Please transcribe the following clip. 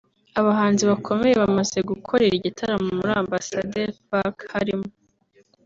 Abahanzi bakomeye bamaze gukorera igitaramo muri Ambassador's Park harimo